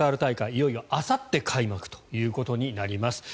いよいよあさって開幕ということになります。